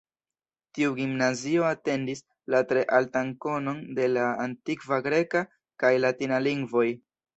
Tiu gimnazio atendis la tre altan konon de la antikva greka kaj latina lingvoj.